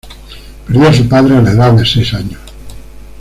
Perdió a su padre a la edad de seis años.